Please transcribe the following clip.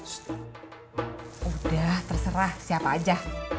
ssst udah terserah siapa aja